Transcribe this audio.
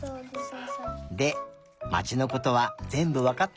でまちのことはぜんぶわかったかな？